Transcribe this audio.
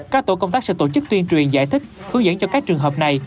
các tổ công tác sẽ tổ chức tuyên truyền giải thích hướng dẫn cho các trường hợp này